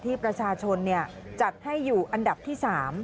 ที่ประชาชนจัดให้อยู่อันดับที่๓